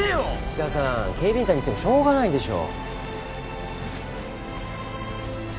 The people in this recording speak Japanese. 石田さん警備員さんに言ってもしょうがないでしょ。